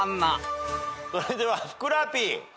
それではふくらＰ。